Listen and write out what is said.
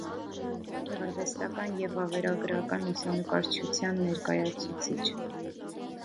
Գեղարվեստական և վավերագրական լուսանկարչության ներկայացուցիչ։